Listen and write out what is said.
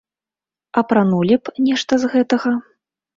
Апранулі б нешта з гэтага?